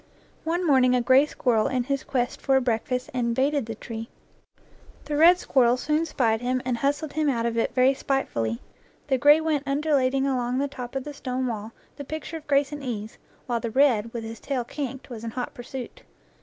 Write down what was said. One morning a gray squirrel in his quest for a break fast invaded the tree. The red squirrel soon spied him and hustled him out of it very spitefully. The gray went undulating along the top of the stone wall, the picture of grace and ease, while the red, with tail kinked, was in hot pursuit.